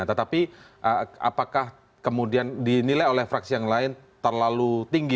tetapi apakah kemudian dinilai oleh fraksi yang lain terlalu tinggi